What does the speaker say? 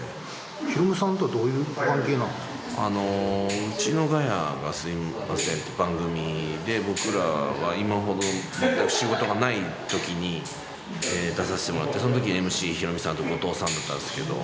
ヒロミさんとはどういうご関あの、うちのガヤがすみませんという番組で、僕らは今ほど全く仕事がないときに、出させてもらって、そのときのＭＣ、ヒロミさんと後藤さんだったんだけど。